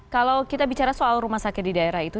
kalau kita bicara soal rumah sakit di daerah itu